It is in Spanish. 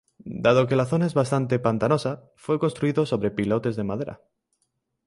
Dado que la zona es bastante pantanosa, fue construido sobre pilotes de madera.